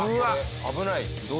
危ない。